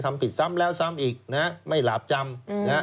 ทำผิดซ้ำแล้วซ้ำอีกไม่หลาบจำ